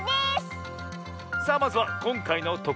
さあまずはこんかいのと